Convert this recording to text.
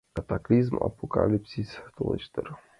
Катаклизм, апокалипсис толеш дыр...